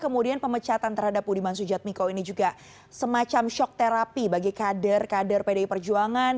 kemudian pemecatan terhadap budiman sujatmiko ini juga semacam shock therapy bagi kader kader pdi perjuangan